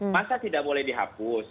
masa tidak boleh dihapus